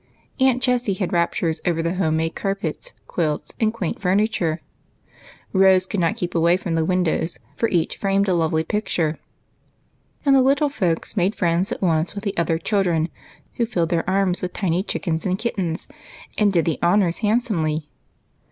Aunt Jessie had raptures over the home made carpets, quilts, and quaint furniture ; Rose could not keep away from the windows, for each framed a lovely picture ; and the little folks made friends at once with the other children, who filled their arms with chickens and kittens, and did the honors hand somely.